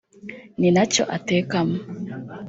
ni nacyo atekamo